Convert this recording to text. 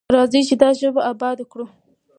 راځئ چې دا ژبه اباده کړو.